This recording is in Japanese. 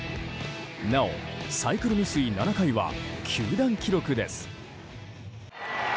なお、サイクル未遂７回は球団記録です。